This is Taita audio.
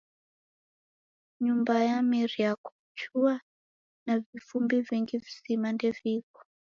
Nyumba yameria kuchua na vifumbi vingi vizima ndeviko.